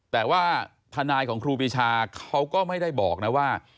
แต่ว่าทนายของครูปีชาเขาก็ไม่ได้บอกนะว่า